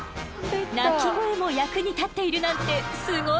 鳴き声も役に立っているなんてすごいでしょ？